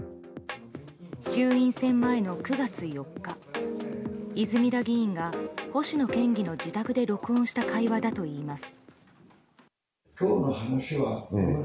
衆院選前の９月４日泉田議員が星野県議の自宅で録音した会話だといいます。